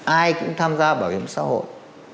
ai cũng tham gia bảo hiểm xã hội